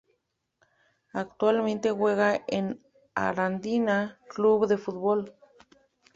Actualmente juega en el Arandina Club de Fútbol.